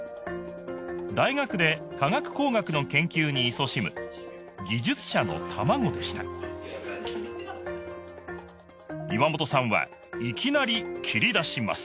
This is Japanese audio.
大学で化学工学の研究に勤しむ技術者の卵でした岩元さんはいきなり切り出します！